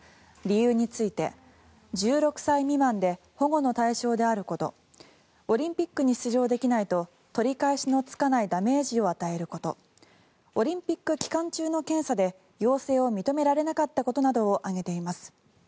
理由について、１６歳未満で保護の対象であることオリンピックに出場できないと取り返しのつかないダメージを与えることオリンピック期間中の検査で陽性を認められなかったことなどを挙げています。